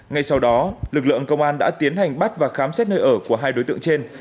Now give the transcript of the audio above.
ngay sau đó lực lượng công an đã tiến hành bắt và khám xét nơi ở của hai đối tượng trên